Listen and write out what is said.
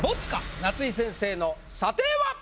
夏井先生の査定は⁉